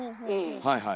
はいはい。